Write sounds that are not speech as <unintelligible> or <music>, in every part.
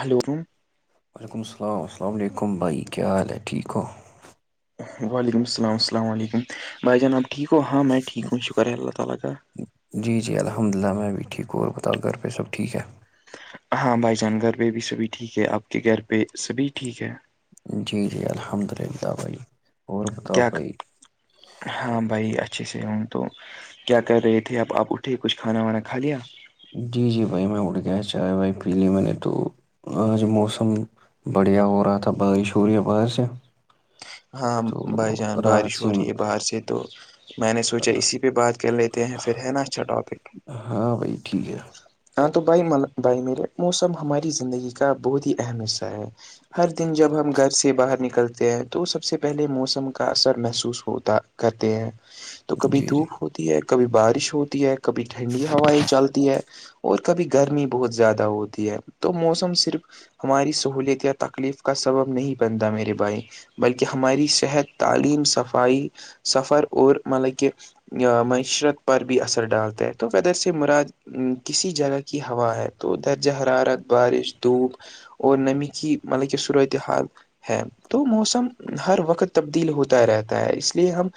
hello ر <inaudible> وعلیکم السلام السلام علیکم بھائی کیا حال ہے ٹھیک ہو <unintelligible> جی جی الحمد للہ میں بھیھی ٹھیک اور بتاؤ گھر پہ سب ٹھیک ہے ہاں بھائی جان گھر پہ بھی سبھی ٹھیک ہے آپ کے گھر پہ سبھی ٹھیک ہے جی جی الحمد للہ بھائی اور بتاؤ کیا بھائی ہاں بھائی اچھے سے ہوں تو کیا کر رہے تھے اب آپ اٹھے کچھ کھانا وانا کھا لیا جی جی بھائی میں اٹھ گیا چائے بھائی پی لی میں نے تو جو موسم بڑھیا ہو رہا تھا بارش ہو رہی ہے باہر سے ہاں بھائی تو جان راحت بارش ہو سے رہی ہے باہر سے تو میں نے سوچا اسی بات کر لیتے ہیں پھر ہے نا اچھا ٹاپک ہاں بھائی ٹھیک ہے ہاں تو بھائی م بھائی میرے موسم ہماری زندگی کا بہت ہی اہم حصہ ہے ہر دن جب ہم گھر سے باہر نکلتے ہیں تو سب سے پہلے موسم کا اثر محسوس ہوتا کرتے ہیں تو کبھی جی جی دھوپ ہو تی ہے کبھی بارش ہوتی ہے کبھی ٹھنڈی ہویں چلتی ہے اور کبھی گرمی بہت زیادہ ہوتی ہے تو موسم صرف ہماری سہولیت یا تکلیف کا سبب نہیں بنتا میرے بھائی بلکہ ہماری صحت تعلیم صفائی سفر اور مطلب کہ معیشرت پر بھی اثر ڈالتا ہے تو ودر سے مراد کسی جگہ کی ہوا ہے تو درجہ حرارت بارش دھوپ اور نمی کی مطلب کہ صورت حال ہے تو موسم ہر وقت تبدیل ہوتا رہتا ہے اس لیے ہم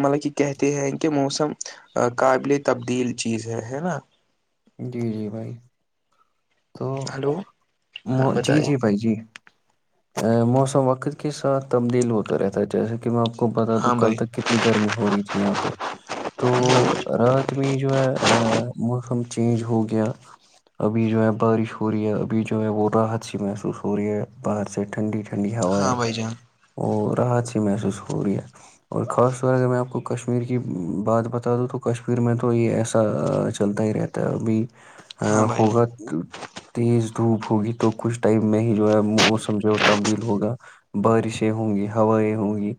مطلب یہ کہتے ہیں کہ موسم قابل تبدیل چیز ہے ہے نا جی جی بھائی تو ہلو ہاں جی بتائیے جی بھائی جی موسم وقت کے ساتھ تبدیل ہوتا رہتا ہے جیسے کہ میں آپ کو بتا دوں ہاں کل بھائی تک کتنی گرمی ہو رہی تھی یہاں پہ تو رات میں جو ہے موسم چینج ہو گیا ابھی جو ہے بارش ہو رہی ہے ابھی جو ہے وہ راحت سی محسوس ہو رہی ہے باہر سے ٹھنڈی ھ ٹنڈی ہا ہے ہاں بھائی جان اور رحت سے محسوس ہو رہی ہے اور خاص طور اگر میں آپ کو کشمیر کی بات بتا دوں تو کشمیر میں تو یہ ایسا چلتا ہی رہتا ہے تبھی ا ہاں بھائی جان ہوگا تیز دھوپ ہوگی تو کچھ ٹائم میں ہی جو ہے موسم جو تبدیل ہوگا بارشیں ہوں گی ہوائیں ہوں گی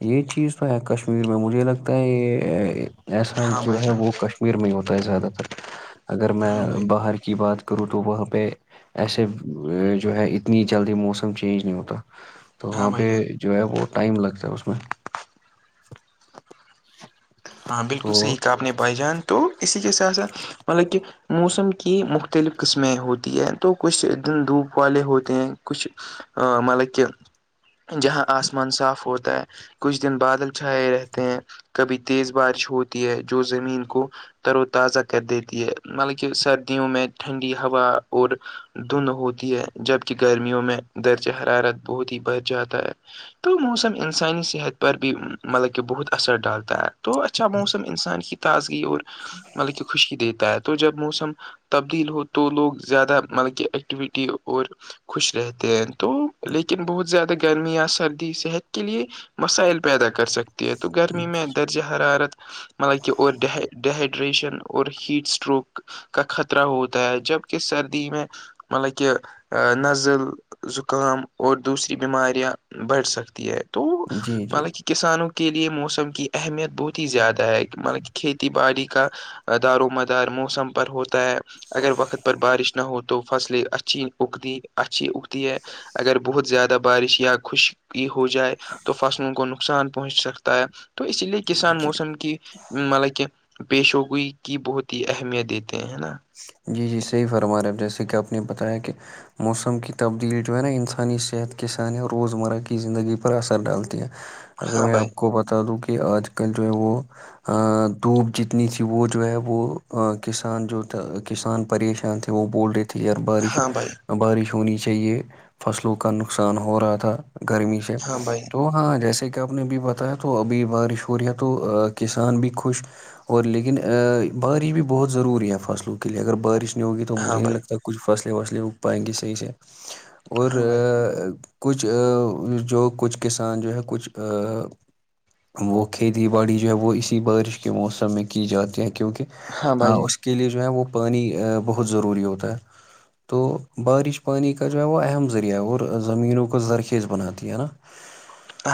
یہ چیز تو ہے کشمیر میں مجھے لگتا ہے یہ ایسا ہاں بھائی جو ہے جان وہ کشمیر میں ہی ہوتا ہے زیادہ تر اگر میں ہاں بھائی باہر کی بات کروں تو وہاں پہ ایسے جو ہے اتنی جلدی موسم چینج نہیں ہوتا تو ہاں وہاں بھائی پہ جان جو ہے وہ ٹائم لگتا ہے اس میں ہاں بالکل تو صحیح کہا آپ نے بھائی جان تو اسی کے ساتھ ساتھ مطلب کہ موسم کی مختلف قسمیں ہوتی ہیں تو کچھ دن دھوپ والے ہوتے ہیں کچھ آ مطلب کہ جہاں آسمان صاف ہوتا ہے کچھ دن بادل چھائے رہتے ہیں کبھی تیز بارش ہوتی ہے جو زمین کو تر و تازہ کر دیتی ہے مطلب کہ سردیوں میں ٹھنڈی ہوا اور دن ہوتی ہے جبک گرمیوں میں درجہ حرارت بہت ہی بڑھ جاتا ہے تو موسم انسانی صحت پر بھی مطلب کہ بہت اثر ڈالتا ہے تو اچھا موسم انسان کی تازگی اور جی مطلب کہ خوشی دیتا ہے تو جب موسم تبدیل ہو تو لوگ زیادہ مطلب کہ ایکٹیویٹی اور خوش رہتے ہیں تو لیکن بہت زیادہ گرمی یا سردی صحت کے لیے مسائل پیدا کر سکتے تو گرمی میں درجہ حرارت مطلب کہ ریشن اور ہیٹ اسٹروک کا خطرہ ہوتا ہے جبک سردی میں مطلب کہ نزل زکام اور دوسری بیماریاں بڑھ سکتی ہے تو جی جی مطلب کہ کسانوں کے لیے موسم کی اہمیت بہت ہی زیادہ ہے مطلب کہ کھیتی باڑی کا دار و مدار موسم پر ہوتا ہے اگر وقت پر بارش نہ ہو تو فصلیں اچھی اگتی اچھی اگتی ہے اگر بہت زیادہ بارش یا خوش کی ہو جائے تو فصلوں کو نقصان پہنچ سکتا ہے تو اسی لیے کسان جی موسم کی مطلب کہ پیش ہو گئی کی بہت ہی اہمیت دیتے ہیں ہے نا جی جی صحیح فرما رہے جیسے کہ آپ نے بتایا کہ موسم کی تبدیلی جو ہے نا انسانی صحت کے سان روزمرہ کی زندگی پر اثر ڈالتی ہے اگر ہاں میں بھائی آپ کو بتا دوں کہ آج کل جو ہے وہ دھوپ جتنی تھی وہ جو ہے وہ کسان جو کسان پریشان تھے وہ بول رہے تھے یار بارش ہاں بھائی بارش ہونی چاہیے فصلوں کا نقصان ہو رہا تھا گرمی سے ہاں بھائی تو ہاں جیسے کہ آپ نے بھی بتایا تو ابھی بارش ہو رہی ہے تو کسان بھی خوش اور لیکن بارش بھی بہت ضروری ہے فصل کے لیے اگر بارش نہیں ہوگی تو ہاں مجھے نہیں بھائی لگتا کچھ فصلیں وصلے اگ پائیں گے صحیح سے اور ہاں بھائی کچھ جو کچھ کسان جو ہے کچھ وہ کھیتی باڑی جو ہے وہ اسی بارش کے موسم میں کی جاتی ہے کیونکہ ہاں اس کے لیئے جو ہے وہ پانی بہت ضروری ہوتا ہے تو بارش پانی کا جو ہے وہ اہم ذریعہ ہے اور زمینوں کو زرخیز بناتی ہے نا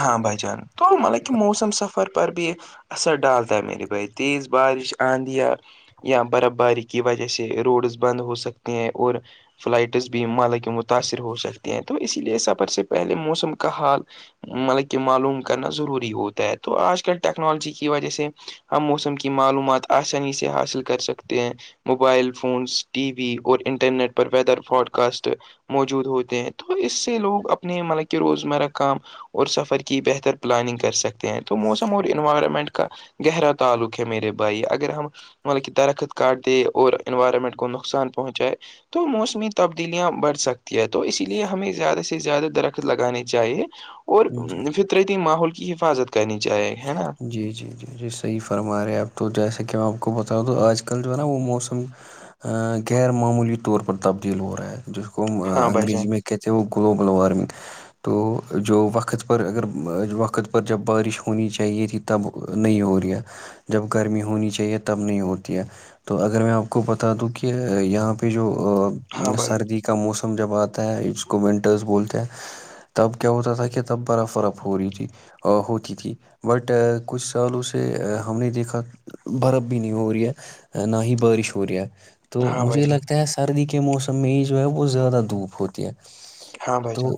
ہاں بھائی جان تو مطلب کہ موسم سفر پر بھی اثر ڈالتا ہے میرے بھائی تیز بارش آندیا یا برف باری کی وجہ سے روڈز بند ہو سکتے ہیں اور فلائٹس بھی مالک متاثر ہو سکتے ہیں تو اسی لیے سفر سے پہلے موسم کا حال مطلب کہ معلوم کرنا ضروری ہوتا ہے تو آج کل ٹیکنالوجی کی وجہ سے ہم موسم کی معلومات آسانی سے حاصل کر سکتے ہیں موبائل فونس ٹی وی اور انٹرنیٹ پر ویدر فوڈ کاسٹ موجود ہوتے ہیں تو اس سے لوگ اپنے مطلب کہ روزمرہ کام اور سفر کی بہتر پلاننگ کر سکتے ہیں تو موسم اور انوائرمنٹ کا گہرا تعلق ہے میرے بھائی اگر ہم مطلب کہ درخت کاارٹ د اور انوارمنٹ گ کو نقصان پہنچائے تو موسمی تبدیلیاں بڑھ سکتی ہے تو اسی لیے ہمیں زیادہ سے زیادہ درخت لگانے چاہیے اور فطرتی ماحول کی حفاظت کرنی چاہی جی جی جی <unintelligible> جی صحیح فرما رہے ہیں اپ تو جیسا کہ میں آپ کو بتا تو آج کل جو ہے نا وہ موسم غیر معمولی طور پر تبدیل ہو رہا ہے جس کو ہم ہاں بھائی انگریزی جان میں کہک سے وہ گلوبل وارمنگ تو جو وقت پر اگر وقت پر جب بارش ہو ہونی چاہیے تھی تب نہیں ہو رہی ہے جب گرمی ہونی چاہیے تب نہیں ہوتی ہے تو اگر میں آپ کو بتا دوں کہ یہاں پہ جو ہاں بھائی سردی کا موسم جب آتا ہے جس کو ونٹرس بولتے ہیں تب کیا ہوتا تھا کہ تب برا فرب ہو رہی تھی ہوتی تھی بٹ کچھ سالوں سے ہم نے دیکھا برف بھی نہیں ہو رہی ہے نہ ہی بارش ہو رہی ہے تو ہاں بھائی مجھے جان لگتا ہے سردی کے موسم میں یہ جو ہے وہ زیادہ دھوپ ہوتی ہے ہاں بھائی جان تو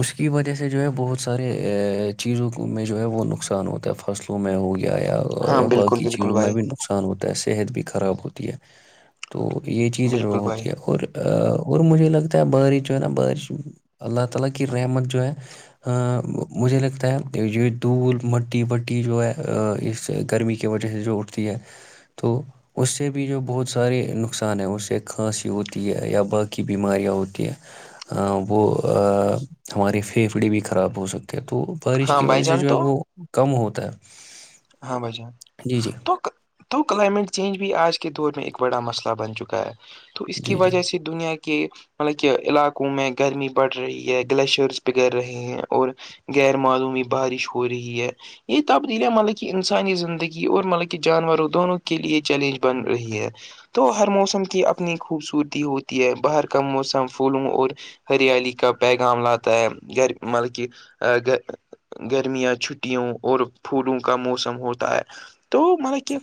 اس کی وجہ سے جو ہے بہت سارے ا چیزوں میں جو ہے وہ نقصان ہوتا ہے فصلوں میں ہو گیا یا ہاں یا بالکل باقی بالکل چیزوں میں بھائی بھی نقصان ہوتا ہے صحت بھی خراب ہوتی ہے تو یہ چیزیں بالکل بھائی ہوتی ہے اور اور مجھے لگتا ہے باری جو ہے نا بار اللہ تعالی کی رحمت جو ہے <unintelligible> مجھے لگتا ہے یہ دول مٹی بٹی جو ہے اس گرمی کی وجہ سے جو اٹھتی ہے تو اس سے بھی جو بہت سارے نقصان ہیں اس سے کھانسی ہوتی ہے یا باقی بیماریاں ہوتی ہیں وہ ہمارے پھیپھڑے بھی خراب ہو سکتے ہیں تو بارش ہاں کی بھائی وجہ سے جان جو ہے تو وہ کم ہوتا ہے ہاں بھائیان جی جی تو تو کلائمیٹ چینج بھی آج کے دور میں ایک بڑا مسئلہ بن چکا ہے تو اس کی جی جی وجہ سے دنیا کی مطلب کہ علاقوں میں گرمی بڑھ رہی ہے گلیشئرس بگڑ رہے ہیں اور غیر معلومی بارش ہو رہی ہے یہ تبدیلیاں ملک کہ انسانی زندگی اور مطلب کہ جانوروں دونوں کے لیے چیلنج بن رہی ہے تو ہر موسم کی اپنی خوبصورتی ہوتی ہے باہر کا موسم پولوں اور ہریالی کا پیغام لاتا ہے گھر مطلب کہ گ گرمیاں چھٹیوں اور پھولوں کا موسم ہوتا ہے تو مطلب کہ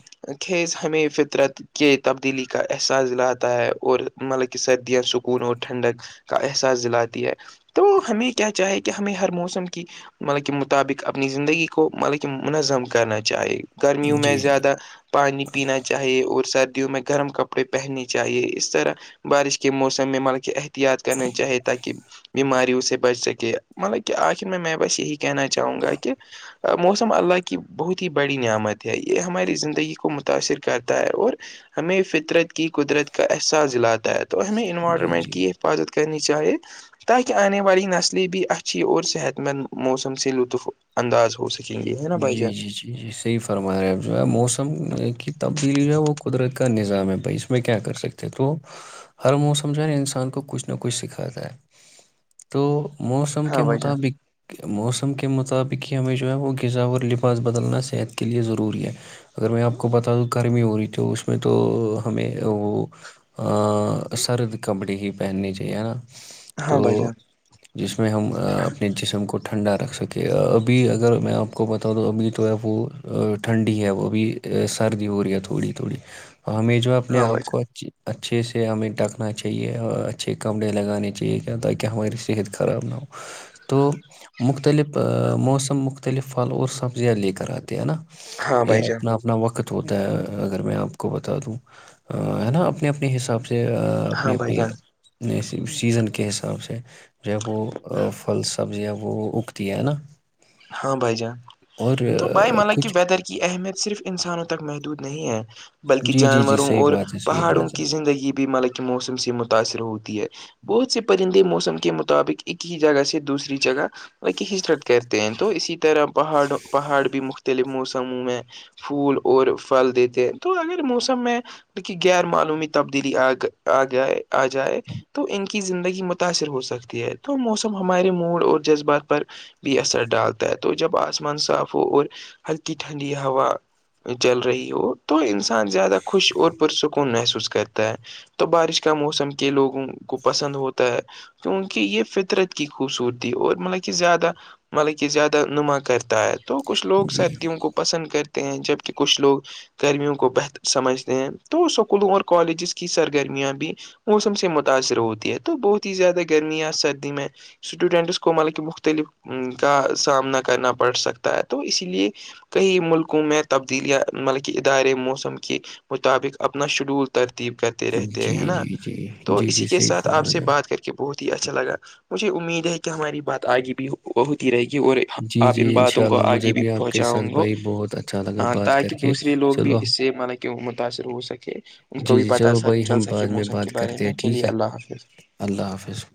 خیز ہمیں فطرت کے تبدیلی کا احساس لاتا ہے اور مطلب کہ سردیاں سکون اور ٹھنڈک کا احساس دلاتی ہے تو ہمیں کیا چاہے کہ ہمیں ہر موسم کی مطلب کے مطابق اپنی زندگی کو مطلب کہ منظم کرنا چاہی گرمیوں میں جی جی زیادہ پانی پینا چاہیے اور سردیوں میں گرم کپڑے پہننے چاہیے اس طرح بارش کے موسم میں ملک ا احتیاط کرنا چاہے تاکہ بیماریوں سے بچ سکے مطلب کہ آخ م میں می باس یہی کہنا چاہوں گا کہ موسم اللہ کی بہت ہی بڑی نعمت ہے یہ ہماری زندگی کو متاثر کرتا ہے اور ہمیں فطرت کی قدرت کا احساس دلاتا ہے تو ہمیں جی انوائرمنٹ جی کی حفاظت کرنی چاہے تاکہ آنے والی نسلیں بھی اچھی اور صحت مند موسم سے لطف انداز ہو سکے چنگی ہے ن بائی جی جی جی جی صحیح فرما رہے اب جو ہے موسم کی تبدیلی جو ہے وہ قدرت کا کا نظام ہے بھائی اس میں کیا کر سکتے ہیں تو ہر موسم جو ہے نا انسان کو کچھ نہ کچھ سکھاتا ہے تو موسم ہاں کے بھائی جان مطابق موسم کے مطابق ہی ہمیں جو ہے وہ ذا اور لفاظ بدلنا صحت کے لیے ضروری ہے اگر میں آپ کو بتا دوں گرمی ہو رہی تو اس میں تو ہمیں وہ سرد کپڑی ہی پہننی چاہی ہے نا ہاں بھائی تو جان جس میں ہم اپنے جسم کو ٹھنڈا رکھ سکیں ابھی اگر میں آپ کو بتا دو ابھی تو ہے وہ ٹھنڈی ہے وہ ابھی سردی ہو رہی ہے تھوڑی تھوڑی ہمیں جو اپنے ہاں بھائی آپ جان کو اچھی اچھے سے ہمیں ڈٹکنا چاہیے اور اچھے کمرے لگانے چاہیے کیا تاکہ ہماری صحت خراب نہ ہو تو مختلف موسم مختلف پھل اور سبزیاں لے کر آتے ہے نا ہاں بھائی یہ جان اپنا اپنا وقت ہوتا ہے اگر میں آپ کو بتا دوں ہے نا اپنے اپنے حساب سے سے ہاں اپنی بھائی اپنی جان سیزن کے حساب سے ج وہ پھل سبزی ہےب وہ اگتی ہے نا ہاں بھائی جان اور تو بھائی آ، مطب کہ کچھ ویدر کی اہمیت صرف انسانوں تک محدود نہیں ہے بلکہ جی جی جی جانوروں صحیح اور بات ہے صحیح پہاڑوں بات ہے کی زندگی بھی مطلب کہ موسم سے متاثر ہوتی ہے بہت سے پرندے موسم کے مطابق ایک ہی جگہ سے دوسری جگہ بک ہجرت کر ہیں تو اسی طرح پہاڑ پہاڑ بھی مختلف موسموں میں پھول اور پھل دیتے ہیں تو اگر موسم میں لیک غیر معلومی تبدیلی آ آ جائے آ جائے تو ان کی زندگی متاثر ہو سکتی ہے تو موسم ہمارے موڈ اور جذبات پر بی ایس ای ڈالتا ہے تو جب آسمان صاف ہو اور ہلکی ٹھنڈی ہوا چل رہی ہو تو انسان زیادہ خوش اور پر سکون محسوس کرتا ہے تو بارش کا موسم کے لوگوں کو پسند ہوتا ہے کیونکہ یہ فطرت کی خوبصورتی اور مطلب کہ زیادہ مطلب کہ زیادہ نما کرتا ہے تو کچھ لوگ جی سردیوں کو پسند کرتے ہیں جبکہ کچھ لوگ گرمیوں کو بہتر سمجھتے ہیں تو اسکولوں اور کالجز کی سرگرمیاں بھی موسم سے متاثر ہوتی ہے تو بہت ہی زیادہ گرم ں سردی میں اسٹوڈینٹس کو مطلب کہ مختلف کا سامنا کرنا پڑ سکتا ہے تو اسی لیے کئی ملکوں میں تبدیلیاں مطلبک ادارے موسم کے مطابق اپنا شیڈول ترتیب کرتے رہتے ہیں جی ہے نا جی جی تو جی اسی جی کے صحیح ساتھ آپ فرما سے رہے بات کر کے کہ بہت ہی اچھا لگا مجھے امید ہے کہ ہماری بات آگے بھی ہوتی رہے گی اور جی آپ جی ان باتوں انشاء کو اللہ مجھے آگے بھی آپ کے پہنچاؤ ساتھ گو بھائی بہت اچھا لگا بات تاکہ کر کے دوسرے لوگ بھی چلو اس سے مطلب کہ وہ متاثر ہو سکے ان کو جی بھی جی پتا چلو بھائی چل ہم سکے بعد میں موسم کے بات بارے کرتے میں ہیں چلیے ٹھیک ہے اللہ حافظ اللہ حافظ